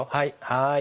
はい。